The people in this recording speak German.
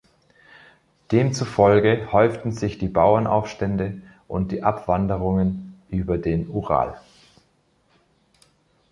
Demzufolge häuften sich die Bauernaufstände und die Abwanderungen über den Ural.